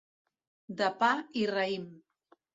De pa i raïm.